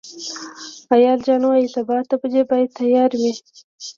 ایاز جان وايي سبا اته بجې باید تیار وئ.